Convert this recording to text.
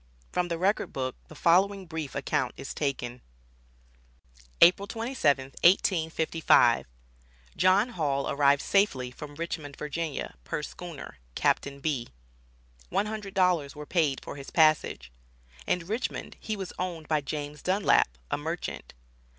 From the record book the following brief account is taken: "April 27, 1855. John Hall arrived safely from Richmond, Va., per schooner, (Captain B). One hundred dollars were paid for his passage." In Richmond he was owned by James Dunlap, a merchant.